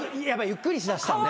ゆっくりしだしたんで。